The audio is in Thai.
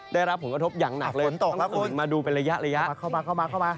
ได้รับผลกระทบ